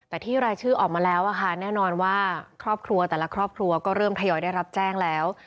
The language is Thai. แต่ที่รายชื่อออกมาแล้วแน่นอนว่าครอบครัวแต่ละครอบครัวก็เริ่มทยอยได้รับแจ้งแล้ว